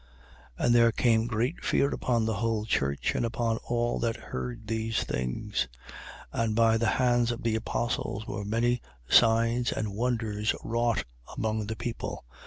5:11. And there came great fear upon the whole church and upon all that heard these things. 5:12. And by the hands of the apostles were many signs and wonders wrought among the people.